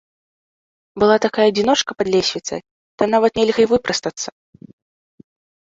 Была такая адзіночка пад лесвіцай, там нават нельга і выпрастацца.